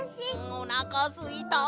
おなかすいた！